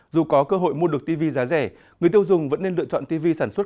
dù có cơ hội mua được tv giá rẻ người tiêu dùng vẫn nên lựa chọn tv sản xuất